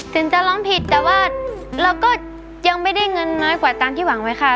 ถึงจะร้องผิดแต่ว่าเราก็ยังไม่ได้เงินน้อยกว่าตามที่หวังไว้ค่ะ